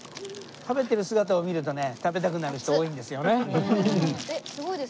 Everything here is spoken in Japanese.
食べてる姿を見るとね食べたくなる人多いんですよね。